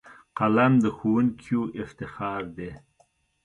قلم د ښوونکیو افتخار دی